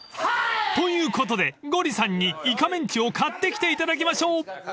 ［ということでゴリさんにイカメンチを買ってきていただきましょう］